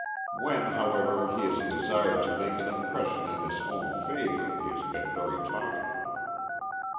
When, however, he has desired to make an impression in his own favor he has been very talkative.